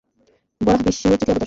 বরাহ বিষ্ণুর তৃতীয় অবতার।